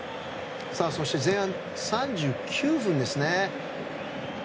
そして前半３９分ですね。